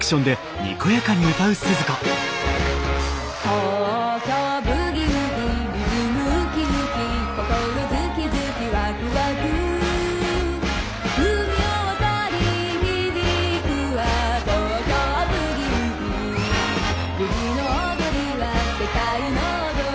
「東京ブギウギリズムウキウキ」「心ズキズキワクワク」「海を渡り響くは東京ブギウギ」「ブギの踊りは世界の踊り」